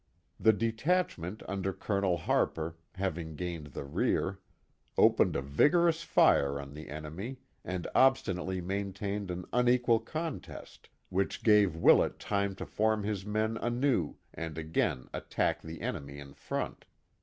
The detach ment under Colonel Harper, having gained the rear, opened a X5 it >.■■■ y' 226 The Mohawk Valley vigorous fire on the enemy, and obstinately maintained an un equal contest, which gave VVillett time to form his men anew and again attack the enemy in front.